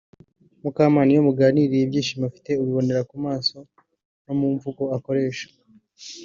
Mukamana iyo muganiriye ibyishimo afite ubibonera ku maso no mu mvugo akoresha